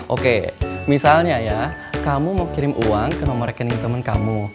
oke misalnya ya kamu mau kirim uang ke nomor rekening teman kamu